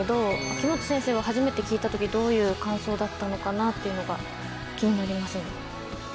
秋元先生は初めて聴いた時どういう感想だったのかなっていうのが気になります。